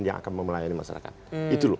yang akan melayani masyarakat